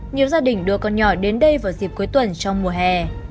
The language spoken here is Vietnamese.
nhiều gia đình đưa con nhỏ đến đây vào dịp cuối tuần trong mùa hè